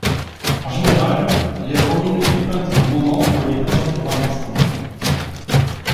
En général, l'héroïne est peinte au moment où elle est présentée devant Alexandre.